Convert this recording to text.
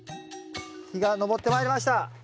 日が昇ってまいりましたダーンと！